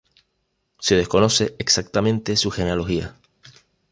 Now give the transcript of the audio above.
Se desconoce exactamente su genealogía.